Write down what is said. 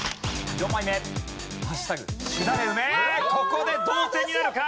ここで同点になるか！？